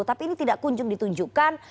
tapi ini tidak kunjung ditunjukkan